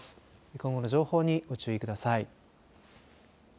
今後の情報にご注意ください。